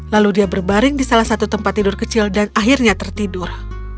lalu dia berbaring di salah satu tempat tidur kecil dan akhirnya tertidur